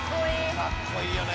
「かっこいいよね」